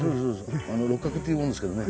あの六角っていう者ですけどね。